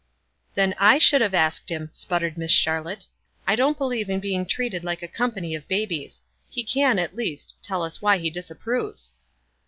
"Then I should hare asked him," sputtered Miss Charlotte. "I don't believe in being treated like a company of babies. He can, at least, tell us why he disapproves."